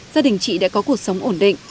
gia đình chị đã có cuộc sống ổn định